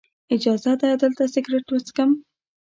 اجازه ده دلته سګرټ وڅکم.